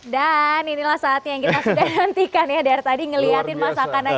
dan inilah saatnya yang kita sudah nantikan ya dari tadi ngeliatin masakan